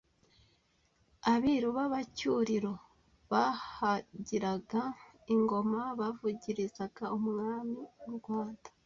abiru b’Abacyuriro bahagiraga ingoma bavugirizaga umwami w’u Rwanda